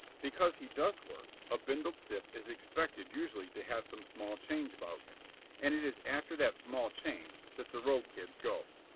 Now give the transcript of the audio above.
Because he does work, a bindle stiff is expected usually to have some small change about him, and it is after that small change that the road kids go.